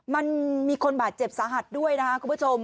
มันมีคนบาดเจ็บสาหัสด้วยนะครับคุณผู้ชม